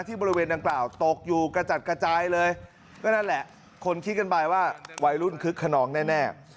บริเวณดังกล่าวตกอยู่กระจัดกระจายเลยก็นั่นแหละคนคิดกันไปว่าวัยรุ่นคึกขนองแน่